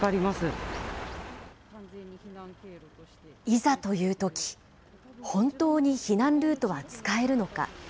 いざというとき、本当に避難ルートは使えるのか。